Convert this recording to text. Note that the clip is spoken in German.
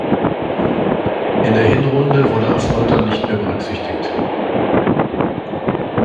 In der Hinrunde wurde Affolter nicht mehr berücksichtigt.